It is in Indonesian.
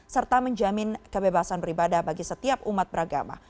serta menjamin kebebasan beribadah bagi setiap umat beragama